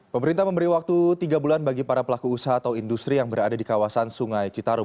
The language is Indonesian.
pemerintah memberi waktu tiga bulan bagi para pelaku usaha atau industri yang berada di kawasan sungai citarum